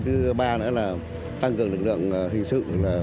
thứ ba là tăng cường lực lượng hình sự